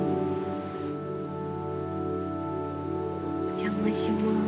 お邪魔します。